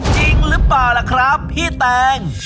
จริงหรือเปล่าล่ะครับพี่แตง